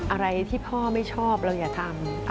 อะไรที่พ่อไม่ชอบเราอย่าทำ